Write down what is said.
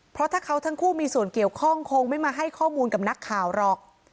เพราะถ้าเขาทั้งคู่มีส่วนเกี่ยวข้องคงไม่มาให้ข้อมูลกับนักข่าวหรอก